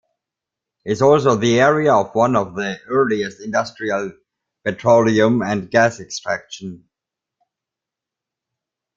It's also the area of one of the earliest industrial petroleum and gas extraction.